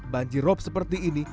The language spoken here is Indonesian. dan seperti ini